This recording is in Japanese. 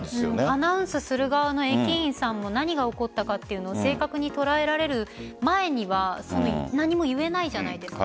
アナウンスする側の駅員さんも何が起こったか正確に捉えられる前には何も言えないじゃないですか。